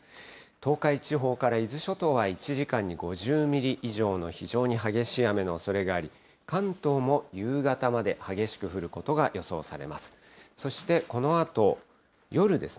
東海地方から伊豆諸島は、１時間に５０ミリ以上の非常に激しい雨のおそれがあり、関東も夕方まで激しく降ることが予想されます。